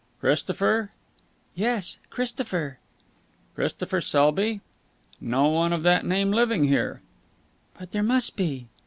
"Christopher?" "Yes, Christopher." "Christopher Selby? No one of that name living here." "But there must be."